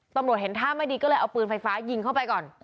ตำรวจเห็นท่าไม่ดีก็เลยเอาปืนไฟฟ้ายิงเข้าไปก่อน